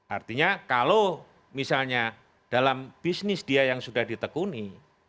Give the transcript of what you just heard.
artinya kalau misalnya dalam bisnis dia yang sudah ditekuni